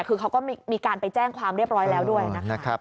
คือเขาก็มีการไปแจ้งความเรียบร้อยแล้วด้วยนะคะ